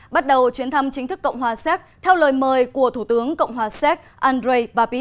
bắt đầu chuyến thăm chính thức cộng hòa séc theo lời mời của thủ tướng cộng hòa séc andrei bapic